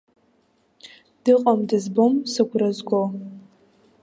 Дыҟам, дызбом сыгәра зго.